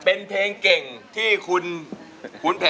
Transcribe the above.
เลือกอีกค่ะ